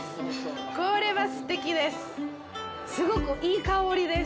これはすてきです。